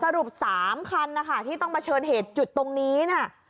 สรุป๓คันที่ต้องมาเชิญเหตุจุดตรงนี้นะ